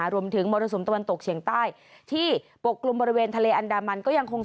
รวมถึงมรสมตะวันตกเชียงใต้ที่ปกกลุ่มบริเวณทะเลอันดามัน